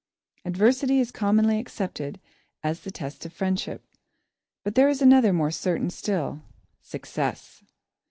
Adversity is commonly accepted as the test of friendship, but there is another more certain still success.